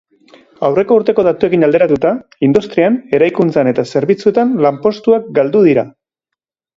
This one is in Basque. Aurreko urteko datuekin alderatuta, industrian, eraikuntzan eta zerbitzuetan lanpostuak galdu dira.